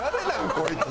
こいつ。